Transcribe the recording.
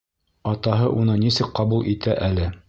Атаһы уны нисек ҡабул итә әле.